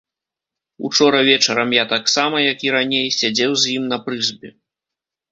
Учора вечарам я таксама, як і раней, сядзеў з ім на прызбе.